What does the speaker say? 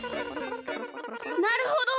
なるほど！